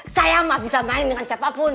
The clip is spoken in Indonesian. saya mah bisa main dengan siapapun